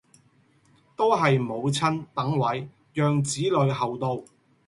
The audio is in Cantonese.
都是母親等位讓子女後到